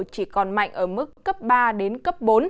chỉ còn mạnh ở mức cấp ba đến cấp bốn